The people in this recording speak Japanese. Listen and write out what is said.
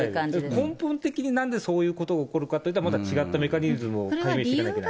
根本的になんでそういうことが起こるかっていったら、また違ったメカニズムを解明しなきゃいけないですね。